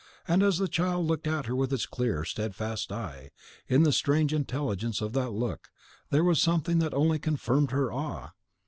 And as the child looked at her with its clear, steadfast eye, in the strange intelligence of that look there was something that only confirmed her awe.